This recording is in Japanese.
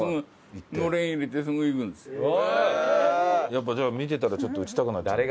やっぱじゃあ見てたらちょっと撃ちたくなっちゃう？